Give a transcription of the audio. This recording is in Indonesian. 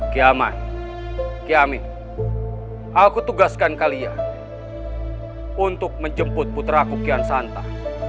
ki aman ki amin aku tugaskan kalian untuk menjemput putraku kian santam